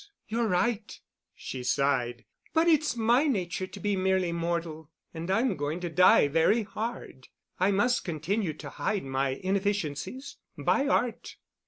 You're right," she sighed. "But it's my nature to be merely mortal—and I'm going to die very hard. I must continue to hide my inefficiencies—by Art."